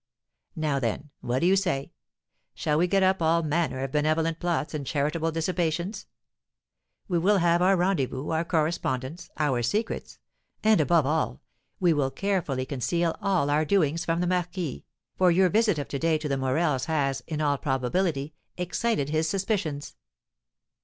Now, then, what do you say? Shall we get up all manner of benevolent plots and charitable dissipations? We will have our rendezvous, our correspondence, our secrets, and, above all, we will carefully conceal all our doings from the marquis, for your visit of to day to the Morels has, in all probability, excited his suspicions.